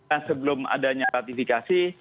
dan sebelum adanya ratifikasi